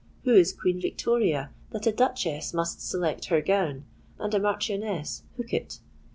Who is Queen Victoria, that a Duchess must select her gown, and a Marchioness hook it?